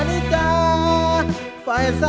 ไม่ใช้ครับไม่ใช้ครับ